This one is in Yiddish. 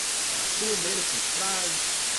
פאר א שעה מערסטנס צוויי